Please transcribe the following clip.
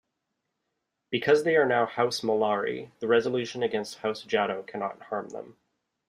Because they are now House Mollari, the resolution against house Jaddo cannot harm them.